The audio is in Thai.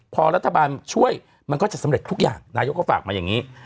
พอรัฐบาลช่วยมันก็จะสำเร็จทุกอย่างนายกก็ฝากมาอย่างนี้